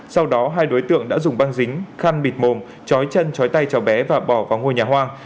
sau đó hai đối tượng đã dùng băng dính khăn bịt mồm trói chân chói tay cháu bé và bỏ vào ngôi nhà hoa